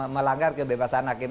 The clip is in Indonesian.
melanggar kebebasan hakim